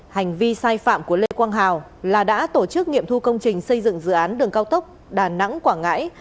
hành vi sai phạm của lê quang hào là đã tổ chức nghiệm thu công trình xây dựng dự án đường cao tốc đà nẵng quảng ngãi